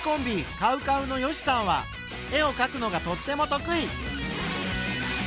ＣＯＷＣＯＷの善しさんは絵をかくのがとっても得意。